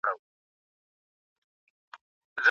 ایا نوي کروندګر شین ممیز پلوري؟